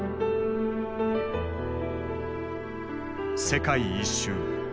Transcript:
世界一周。